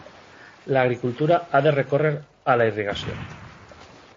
L'agricultura ha de recórrer a la irrigació.